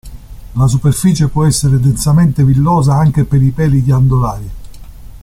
La superficie può essere densamente villosa anche per peli ghiandolari.